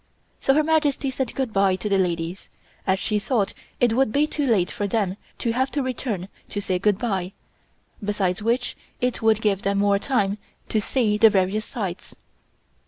So Her Majesty said good bye to the ladies, as she thought it would be too late for them to have to return to say good bye, besides which it would give them more time to see the various sights.